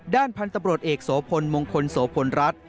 ด้านพันธุ์ตำรวจเอกโสพลมงคลโสพลรัฐ